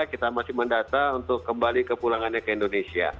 kita masih mendata untuk kembali ke pulangannya ke indonesia